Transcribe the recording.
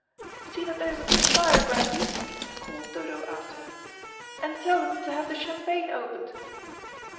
"See that there's a good fire, Grantie," called Dodo after her, "and tell them to have the champagne opened."